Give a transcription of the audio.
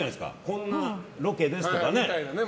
こんなロケですとか。